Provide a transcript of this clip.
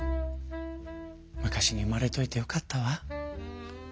昔に生まれといてよかったわ。